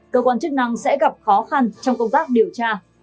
cơ quan chức năng sẽ gặp khó khăn trong công tác điều tra